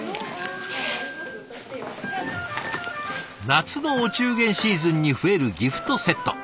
夏のお中元シーズンに増えるギフトセット。